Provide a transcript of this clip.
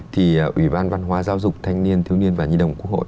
thì ủy ban văn hóa giao dục thanh niên thiếu niên và nhi đồng quốc hội